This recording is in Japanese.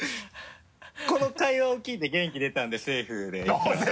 この会話を聞いて元気出たんでセーフでいきましょう。